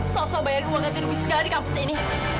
sosok bayar uangnya dirubis segala di kampus ini